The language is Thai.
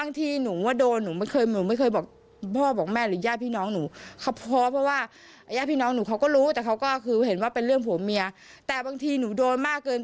ไม่ไม่ไม่ไม่ไม่ไม่ไม่เอาไม่เอาแล้วค่ะไม่เอาไม่เอาหรือขาด